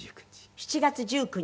７月１９日。